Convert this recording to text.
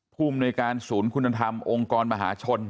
ภูมิในการสูญคุณธรรมองค์กรบ่หาชน